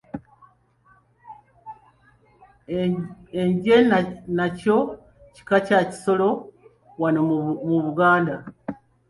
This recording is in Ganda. Enje nakyo kika kya kisolo wano mu Buganda.